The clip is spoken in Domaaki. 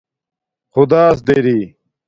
خداس دِری